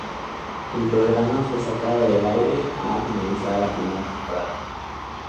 El programa fue sacado del aire al finalizada la primera temporada.